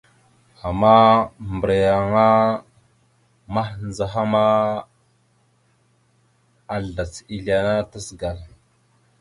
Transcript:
Ama mbəraŋa mandzəhaŋa ma, azlac ezle ana tazəgal.